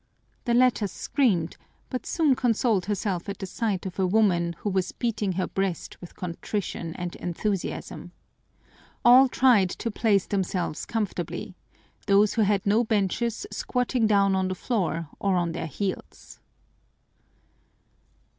The latter screamed, but soon consoled herself at the sight of a woman who was beating her breast with contrition and enthusiasm. All tried to place themselves comfortably, those who had no benches squatting down on the floor or on their heels.